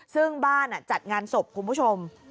ซึ่งบ้านจัดงานศพคุณผู้ชม